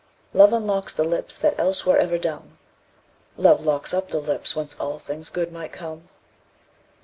Love unlocks the lips that else were ever dumb: "Love locks up the lips whence all things good might come."